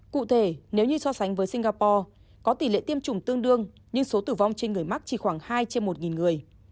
cụ thể nếu như so sánh với singapore có tỷ lệ tiêm chủng tương đương nhưng số tử vong trên người mắc chỉ khoảng hai trên một người